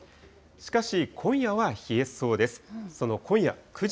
しかし、今夜は冷えそうです。